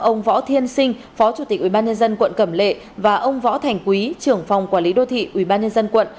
ông võ thiên sinh phó chủ tịch ubnd quận cẩm lệ và ông võ thành quý trưởng phòng quản lý đô thị ubnd quận